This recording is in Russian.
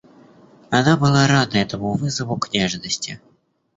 Она была рада этому вызову к нежности.